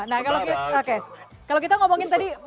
nah kalau kita ngomongin tadi